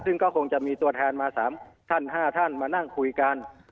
ซึ่งก็คงจะมีตัวแทนมา๓ท่าน๕ท่านมานั่งคุยกัน